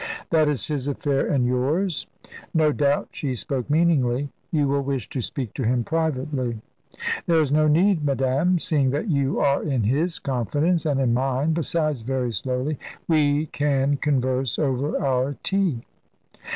"That is his affair and yours. No doubt" she spoke meaningly "you will wish to speak to him privately?" "There is no need, madame, seeing that you are in his confidence, and in mine. Besides" very slowly "we can converse over our tea."